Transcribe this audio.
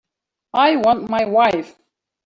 I want my wife.